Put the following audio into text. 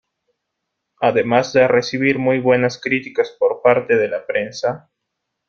Además de recibir muy buenas críticas por parte de la prensa.